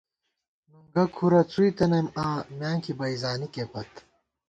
نُنگُہ کُھرَہ څُوئی تنَئیم آں، میانکی بئ زانِکے پت